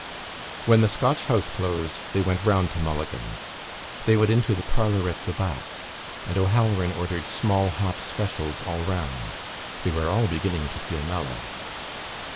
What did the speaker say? When the Scotch House closed they went round to Mulligan's. They went into the parlour at the back and O'Halloran ordered small hot specials all round. They were all beginning to feel mellow.